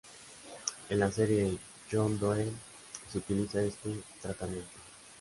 En la serie "John Doe" se utiliza este tratamiento.